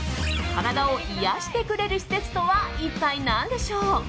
体を癒やしてくれる施設とは一体何でしょう？